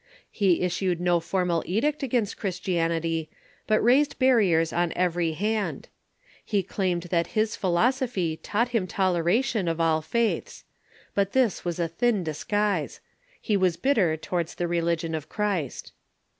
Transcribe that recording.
He issued no formal edict against Christianity, but raised barriers on every hand. He claimed that bis philosophy taught him toleration of all faiths. But this was a thin disguise. He was bitter towards the religion of Christ.